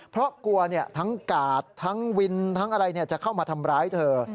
เพราะกลัวทั้งกาดทั้งวินทั้งอะไรจะเข้ามาทำร้ายเธอ